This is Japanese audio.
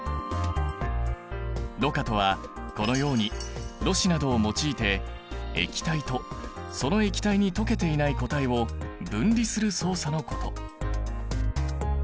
ろ過とはこのようにろ紙などを用いて液体とその液体に溶けていない固体を分離する操作のこと。